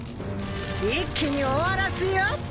一気に終わらすよ。